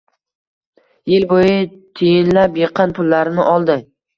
Yil boʻyi tiyinlab yiqqan pullarini oldi.